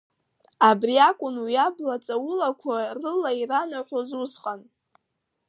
Абри акәын уи абла ҵаулақәа рыла иранаҳәоз усҟан.